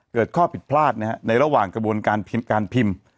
เกิดข้อผิดพลาดในระหว่างกระบวนการพิมพ์